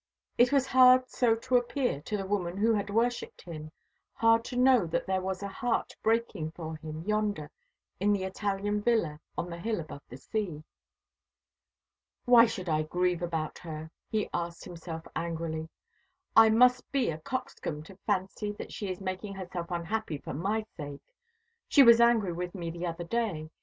It was hard so to appear to the woman who had worshipped him; hard to know that there was a heart breaking for him yonder in the Italian villa on the hill above the sea. "Why should I grieve about her?" he asked himself angrily. "I must be a coxcomb to fancy that she is making herself unhappy for my sake. She was angry with me the other day.